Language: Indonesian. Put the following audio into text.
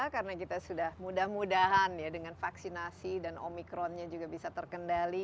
karena kita sudah mudah mudahan ya dengan vaksinasi dan omikronnya juga bisa terkendali